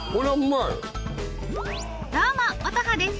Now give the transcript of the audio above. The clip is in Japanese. どうも乙葉です。